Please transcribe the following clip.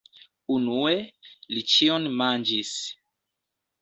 Unue, li ĉion manĝis.